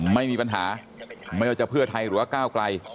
ไม่มีปัญหาไม่ว่าจะเพื่อไทยหรือว่าก้าวไกล